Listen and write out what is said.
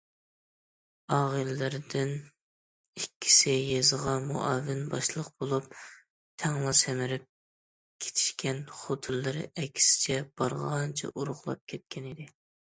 ئاغىنىلىرىدىن ئىككىسى يېزىغا مۇئاۋىن باشلىق بولۇپ، تەڭلا سەمرىپ كېتىشكەن، خوتۇنلىرى ئەكسىچە بارغانچە ئورۇقلاپ كەتكەنىدى.